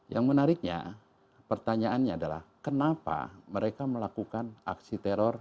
yang menariknya pertanyaannya adalah kenapa mereka melakukan aksi teror